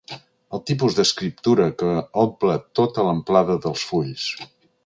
El tipus d'escriptura que omple tota l'amplada dels fulls.